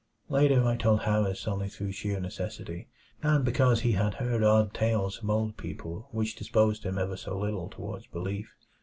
Later I told Harris only through sheer necessity, and because he had heard odd tales from old people which disposed him ever so little toward belief.